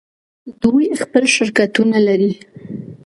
دوی خپل شرکتونه لري.